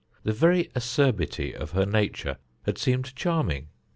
The very acerbity of her nature had seemed charming.